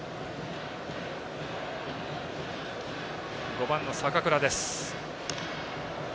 ５番の坂倉です。